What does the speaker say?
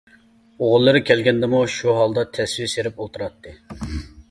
ئوغۇللىرى كەلگەندىمۇ شۇ ھالدا تەسۋى سىيرىپ ئولتۇراتتى.